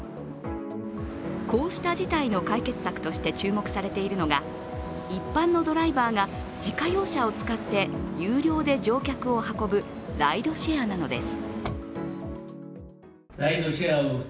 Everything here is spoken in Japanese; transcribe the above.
こうした事態の解決策として注目されているのが一般のドライバーが自家用車を使って有料で乗客を運ぶライドシェアなのです。